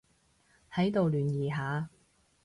喺度聯誼下